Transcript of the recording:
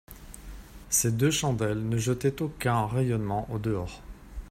Ces deux chandelles ne jetaient aucun rayonnement au dehors.